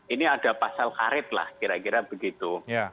ini ada pasal karet lah kira kira begitu